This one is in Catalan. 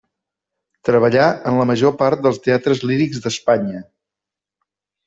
Treballà en la major part dels teatres lírics d'Espanya.